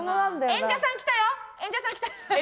演者さん来た。